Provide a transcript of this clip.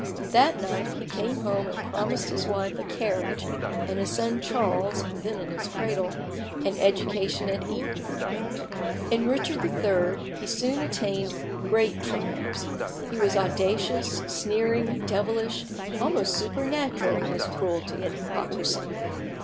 That night he came home and promised his wife a carriage, and his son Charles (then in his cradle) an education at Eton. In Richard III. he soon attained great triumphs. He was audacious, sneering, devilish, almost supernatural in his cruelty and hypocrisy.